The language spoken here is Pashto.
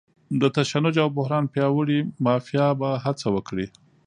د تشنج او بحران پیاوړې مافیا به هڅه وکړي.